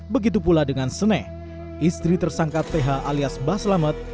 begitu pula dengan seneh istri tersangka th alias mbah selamet